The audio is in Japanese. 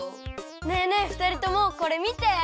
ねえねえふたりともこれみて！